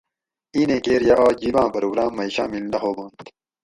اِیں نیں کیر یہ آج جِب آۤں پروگرام مئ شامل نہ ہوبانت